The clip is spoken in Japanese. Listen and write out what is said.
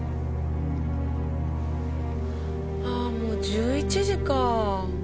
ああもう１１時かぁ。